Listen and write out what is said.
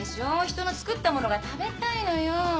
人の作ったものが食べたいのよ。